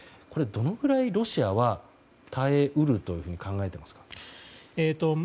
これは、どのぐらいロシアは耐え得ると考えていますか？